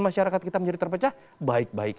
masyarakat kita menjadi terpecah baik baik